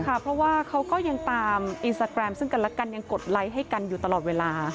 เพราะว่าเขาก็ยังตามอินสตาแกรมซึ่งกันและกันยังกดไลค์ให้กันอยู่ตลอดเวลา